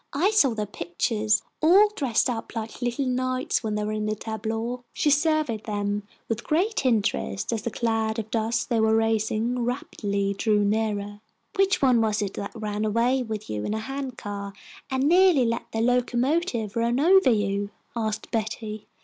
"I saw their pictures, all dressed up like little knights when they were in the tableaux." She surveyed them with great interest as the cloud of dust they were raising rapidly drew nearer. "Which one was it ran away with you in a hand car, and nearly let the locomotive run over you?" asked Betty.